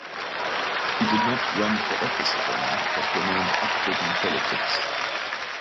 He did not run for office again but remained active in politics.